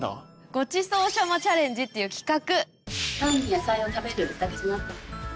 「ごちそう写まチャレンジ」っていう企画！